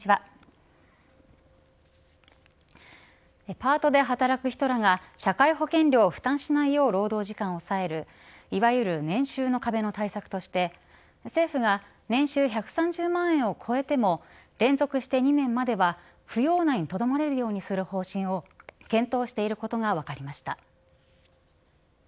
パートで働く人らが社会保険料を負担しないよう労働時間をおさえるいわゆる年収の壁の対策として政府が年収１３０万円を超えても連続して２年までは扶養内にとどまれるようにする方針を検討していることが分かりました。